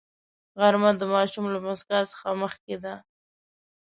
غرمه د ماشوم له موسکا څخه مخکې ده